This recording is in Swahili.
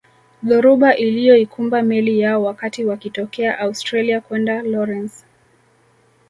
Dhoruba iliyoikumba meli yao wakati wakitokea Australia kwenda Lorence